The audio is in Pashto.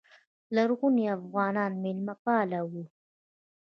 لرغوني افغانان میلمه پال وو